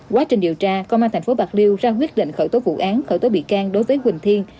quá trình điều tra công an tp bạc liêu ra quyết định khởi tố vụ án khởi tố bị can đối với quỳnh thiên